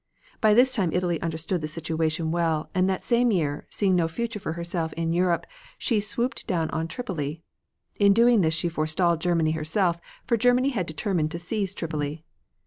By this time Italy understood the situation well, and that same year, seeing no future for herself in Europe, she swooped down on Tripoli. In doing this she forestalled Germany herself, for Germany had determined to seize Tripoli.